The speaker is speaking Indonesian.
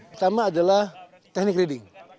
pertama adalah teknik reading